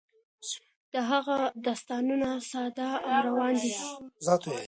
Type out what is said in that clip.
د هغه داستانونه ساده او روان دي.